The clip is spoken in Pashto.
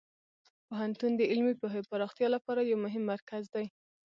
پوهنتون د علمي پوهې پراختیا لپاره یو مهم مرکز دی.